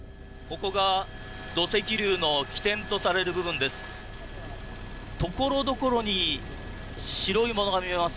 ここが土石流の起点とされる部分です。